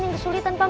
yang kesulitan paman